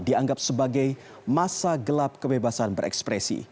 dianggap sebagai masa gelap kebebasan berekspresi